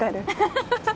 ハハハ！